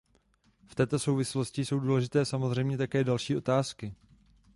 V této souvislosti jsou důležité samozřejmě také další otázky.